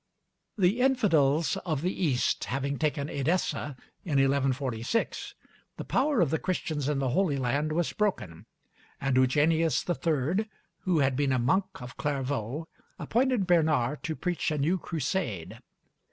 The infidels of the East having taken Edessa in 1146, the power of the Christians in the Holy Land was broken; and Eugenius III., who had been a monk of Clairvaux, appointed Bernard to preach a new crusade.